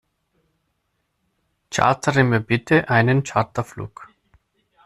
Chartere mir bitte einen Charterflug!